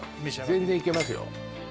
全然いけますよ